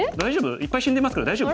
いっぱい死んでますけど大丈夫？